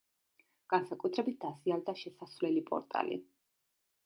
განსაკუთრებით დაზიანდა შესასვლელი პორტალი.